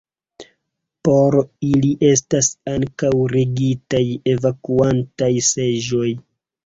Por ili estas ankaŭ rigidaj evakuantaj seĝoj.